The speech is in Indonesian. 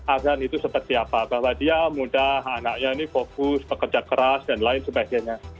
azan itu seperti apa bahwa dia mudah anaknya ini fokus bekerja keras dan lain sebagainya